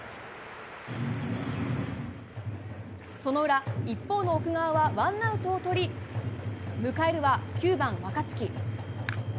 その裏、一方の奥川はワンアウトをとり迎えるは９番、若月。